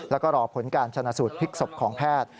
แล้วก็รอผลการชนะสูตรพลิกศพของแพทย์